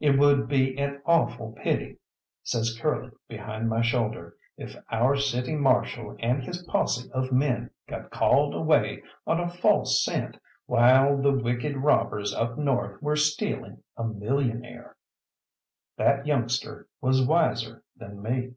"It would be an awful pity," says Curly behind my shoulder, "if our City Marshal and his posse of men got called away on a false scent, while the wicked robbers up north were stealing a millionaire." That youngster was wiser than me.